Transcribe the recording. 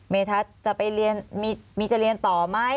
เมธุะจะไปเลียนมีจะเรียนต่อไหม